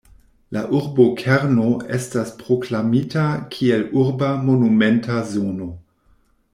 La urbokerno estas proklamita kiel urba monumenta zono.